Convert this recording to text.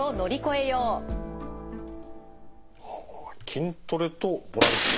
筋トレとボランティア。